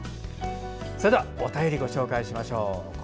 それでは、お便りご紹介します。